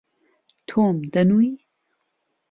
تۆم، دەنووی؟